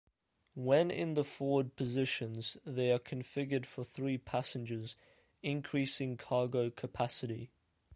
When in the forward positions they are configured for three passengers, increasing cargo capacity.